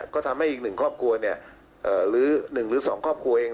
ก็ทำให้อีกหนึ่งครอบครัวหรือหนึ่งหรือสองครอบครัวเอง